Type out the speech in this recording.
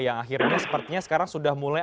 yang akhirnya sepertinya sekarang sudah mulai